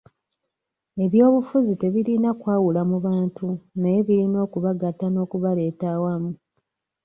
Eby'obufuzi tebirina kwawula mu bantu naye birina okubagatta n'okubaleeta awamu.